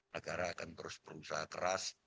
negara akan terus berusaha keras